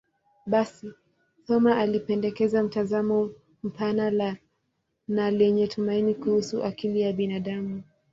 Basi, Thoma alipendekeza mtazamo mpana na lenye tumaini kuhusu akili ya binadamu.